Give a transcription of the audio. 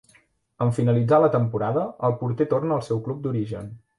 En finalitzar la temporada, el porter torna al seu club d'origen.